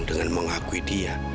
dengan mengakui dia